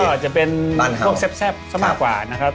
ก็อาจจะเป็นพวกแซ่บซะมากกว่านะครับ